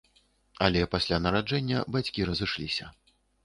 Але пасля нараджэння бацькі разышліся.